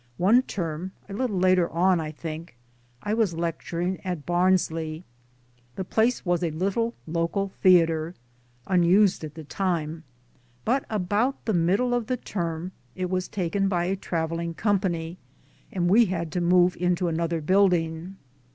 One term (a little later on, I think) I was lecturing at Barnsley. The place was a little local theatre, unused at the time ; but about the middle of the term it was taken by a traveling company, and we had to move into another building.